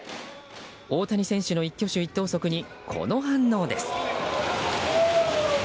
大谷選手の一挙手一投足にこの反応です。